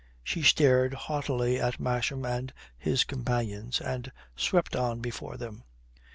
She stared haughtily at Masham and his companions, and swept on before them.